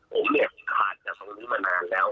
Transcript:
ผมเนี่ยขาดจากตรงนี้มานานแล้ว